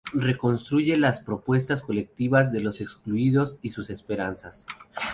Reconstruye las propuestas colectivas de los excluidos y sus esperanzas.